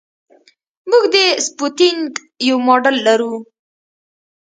موږ د سپوتنیک یو ماډل لرو